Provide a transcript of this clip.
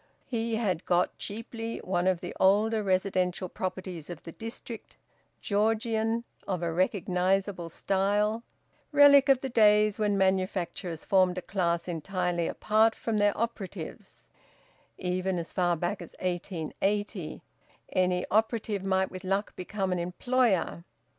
He had got, cheaply, one of the older residential properties of the district, Georgian, of a recognisable style, relic of the days when manufacturers formed a class entirely apart from their operatives; even as far back as 1880 any operative might with luck become an employer.